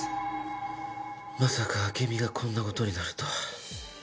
まさか暁美がこんな事になるとは。